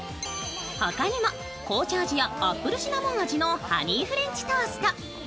他にも紅茶味やアップルシナモン味のハニーフレンチトースト。